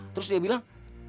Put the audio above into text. terus dia bilang